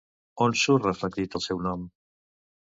On surt reflectit el seu nom?